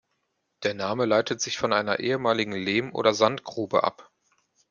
Der Name leitet sich von einer ehemaligen Lehm- oder Sandgrube ab.